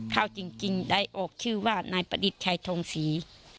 เข้าจริงได้ออกชื่อว่านายประดิษฐ์ชัยทงศรี